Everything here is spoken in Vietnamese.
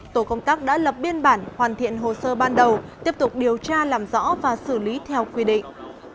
tổ công tác đã lập biên bản hoàn thiện hồ sơ ban đầu tiếp tục điều tra làm rõ và xử lý theo quy định